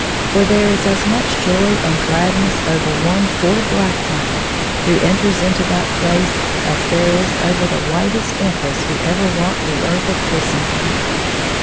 For there is as much joy and gladness over one poor black woman who enters into that place a^ there is over the whitest empress who ever walked the earth of Christendom.